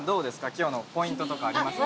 今日のポイントとかありますか？